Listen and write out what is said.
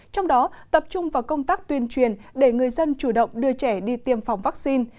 trong đó tập trung vào công tác tuyên truyền để người dân chủ động đưa trẻ đi tiêm phòng vaccine